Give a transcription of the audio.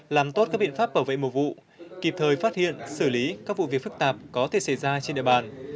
làm tốt các biện pháp bảo vệ mùa vụ kịp thời phát hiện xử lý các vụ việc phức tạp có thể xảy ra trên địa bàn